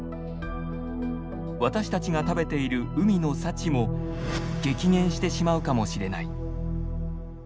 私たちが食べている海の幸も激減してしまうかもしれない。